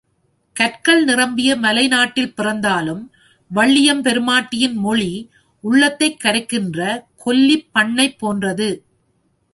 கற்கள் நிரம்பிய மலை நாட்டிலே பிறந்தாலும், வள்ளியெம்பெருமாட்டியின் மொழி உள்ளத்தைக் கரைக்கின்ற கொல்லிப் பண்ணைப் போன்றது.